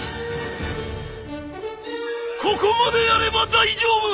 「ここまでやれば大丈夫！